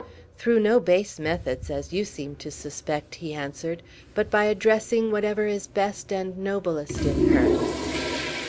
"Through no base methods, as you seem to suspect," he answered; "but by addressing whatever is best and noblest in her."